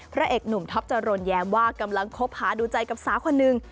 พระเอกหนุ่มท็อปจรนแย้มว่ากำลังคบหาดูใจกับสาวคนหนึ่ง